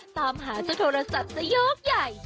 ตามหาจะโทรศัพท์สนองใหญ่